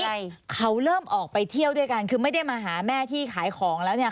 ใช่เขาเริ่มออกไปเที่ยวด้วยกันคือไม่ได้มาหาแม่ที่ขายของแล้วเนี่ย